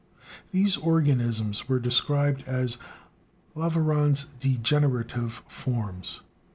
These organisms were described as "Laveran's degenerative forms."